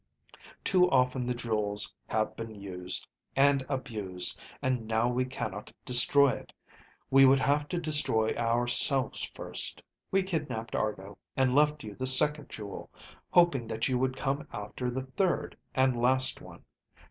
Too often the jewels have been used, and abused, and now we cannot destroy it. We would have to destroy ourselves first. We kidnaped Argo and left you the second jewel, hoping that you would come after the third and last one.